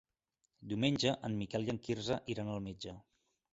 Diumenge en Miquel i en Quirze iran al metge.